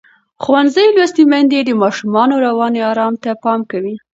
ښوونځې لوستې میندې د ماشومانو رواني آرام ته پام کوي.